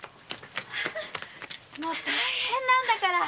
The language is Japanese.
もう大変なんだから。